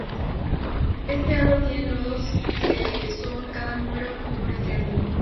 Este "árbol" tiene nodos, que son cada número que compone el triángulo.